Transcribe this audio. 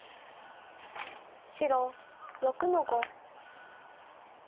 白６の五。